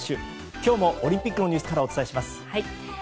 今日もオリンピックのニュースからお伝えします。